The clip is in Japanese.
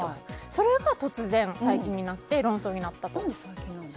それが突然、最近になって論争になったと。